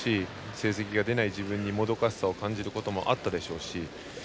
成績が出ない自分にもどかしさを感じることもあったでしょうし。